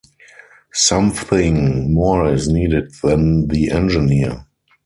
Something more is needed than the engineer.